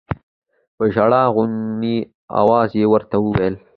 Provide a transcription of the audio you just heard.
په ژړا غوني اواز يې ورته وويل.